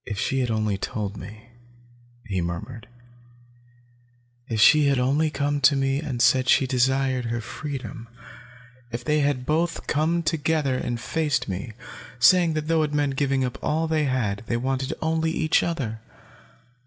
"If she had only told me," he murmured. "If she had only come to me and said she desired her freedom. If they had only both come together and faced me, saying that though it meant giving up all they had, they wanted only each other!